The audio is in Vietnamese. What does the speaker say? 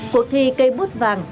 cuộc thi cây bút vàng